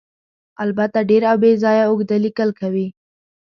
البته ډېر او بې ځایه اوږده لیکل کوي.